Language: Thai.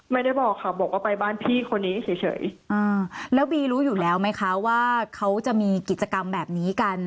ไม่ได้บอกค่ะบอกว่าไปบ้านพี่คนนี้เฉยอ่าแล้วบีรู้อยู่แล้วไหมคะว่าเขาจะมีกิจกรรมแบบนี้กัน